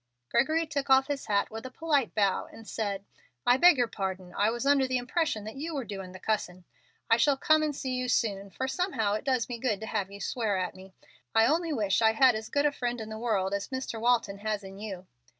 Gregory took off his hat with a polite bow and said: "I beg your pardon; I was under the impression that you were doing the 'cussing.' I shall come and see you soon, for somehow it does me good to have you swear at me. I only wish I had as good a friend in the world as Mr. Walton has in you."